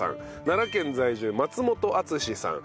奈良県在住松本敦司さん